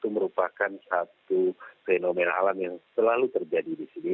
merupakan satu fenomena alam yang selalu terjadi di sini